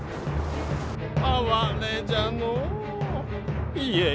哀れじゃのう家康。